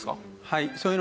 はい。